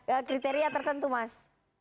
atau memang ada kriteria tertentu mas